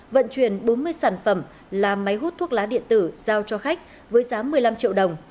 vận chuyển bốn mươi sản phẩm là máy hút thuốc lá điện tử giao cho khách với giá một mươi năm triệu đồng